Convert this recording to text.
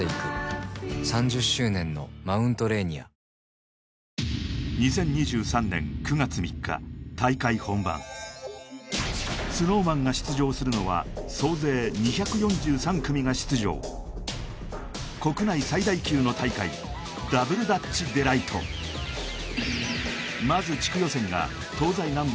俺がこの役だったのにＳｎｏｗＭａｎが出場するのは総勢２４３組が出場国内最大級の大会ダブルダッチデライトまず地区予選が東西南北